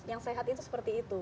yang sehat itu seperti itu